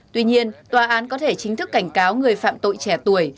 tuy nhiên tòa án có thể chính thức cảnh cáo người phạm tội trẻ tuổi